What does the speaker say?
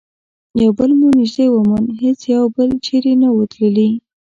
یو بل مو نژدې وموند، هیڅ یو بل چیري نه وو تللي.